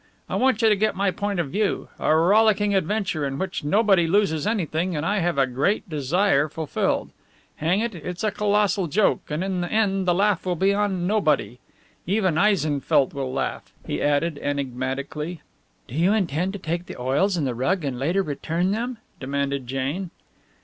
I want you to get my point of view a rollicking adventure, in which nobody loses anything and I have a great desire fulfilled. Hang it, it's a colossal joke, and in the end the laugh will be on nobody! Even Eisenfeldt will laugh," he added, enigmatically. "Do you intend to take the oils and the rug and later return them?" demanded Jane.